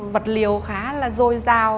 vật liều khá là dồi dào